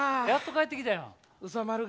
やっと帰ってきたやん。